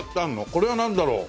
これはなんだろう？